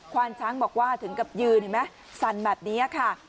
วานช้างบอกว่าถึงกับยืนเห็นไหมสั่นแบบนี้ค่ะ